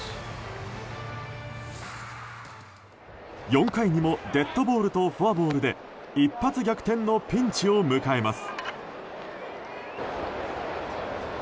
４回にもデッドボールとフォアボールで一発逆転のピンチを迎えます。